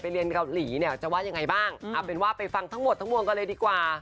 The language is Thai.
เรียนเกาหลีเนี่ยจะว่ายังไงบ้างเอาเป็นว่าไปฟังทั้งหมดทั้งมวลกันเลยดีกว่า